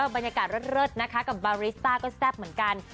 บรรยากาศเลอดนะคะบาริซ่าก็แซ่บเหมือนกัน